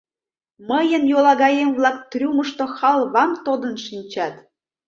Мыйын йолагаем-влак трюмышто халвам тодын шинчат.